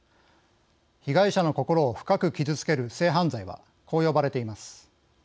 被害者の心を深く傷つける性犯罪はこう呼ばれています。